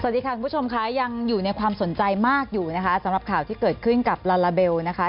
สวัสดีค่ะคุณผู้ชมค่ะยังอยู่ในความสนใจมากอยู่นะคะสำหรับข่าวที่เกิดขึ้นกับลาลาเบลนะคะ